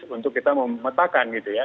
untuk kita memetakan gitu ya